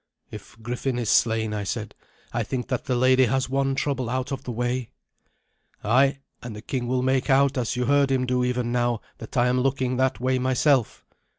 "If Griffin is slain," I said, "I think that the lady has one trouble out of the way." "Ay; and the king will make out, as you heard him do even now, that I am looking that way myself.